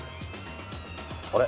あれ？